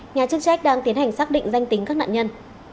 nhà chức trách đang tiến hành xác định danh tính các nạn nhân